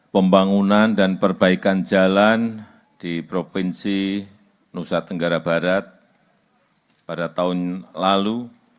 pembangunan dan perbaikan jalan di provinsi nusa tenggara barat pada tahun lalu